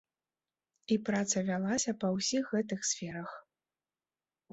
І праца вялася па ўсіх гэтых сферах.